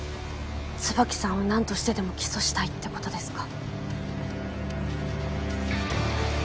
椿さんを何としてでも起訴したいってことですか？